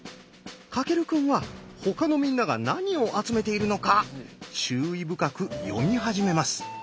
翔くんは他のみんなが何を集めているのか注意深くよみ始めます。